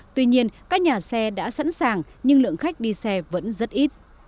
tuy nhiên các nhà xe đã sẵn sàng nhưng lượng khách đi xe vẫn rất ít